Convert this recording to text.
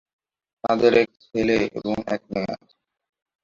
তাদের এক ছেলে এবং এক মেয়ে আছে।